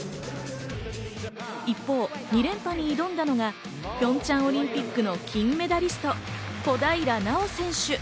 一方、２連覇に挑んだのがピョンチャンオリンピックの金メダリスト、小平奈緒選手。